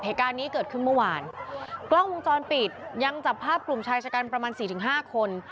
เหตุการณ์นี้เกิดขึ้นเมื่อวานกล้องวงจรปิดยังจับภาพกลุ่มชายชะกันประมาณสี่ถึงห้าคน